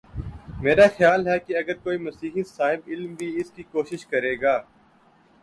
میرا خیال ہے کہ اگر کوئی مسیحی صاحب علم بھی اس کی کوشش کرے گا۔